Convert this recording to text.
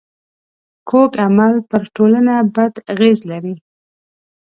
کوږ عمل پر ټولنه بد اغېز لري